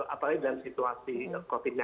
apalagi dalam situasi covid sembilan belas